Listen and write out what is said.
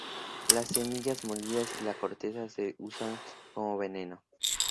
Las semillas molidas y la corteza se usan como veneno.